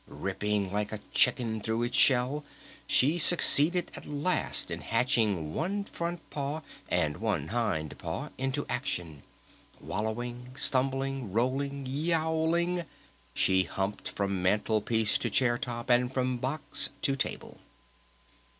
Ripping like a chicken through its shell she succeeded at last in hatching one front paw and one hind paw into action. Wallowing, stumbling, rolling, yowling, she humped from mantle piece to chair top, and from box to table.